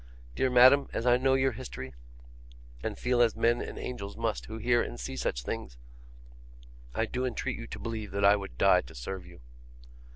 Dear madam, as I know your history, and feel as men and angels must who hear and see such things, I do entreat you to believe that I would die to serve you.